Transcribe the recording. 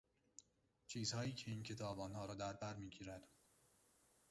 چیزهای که این کتاب آنها را دربرمیگیرد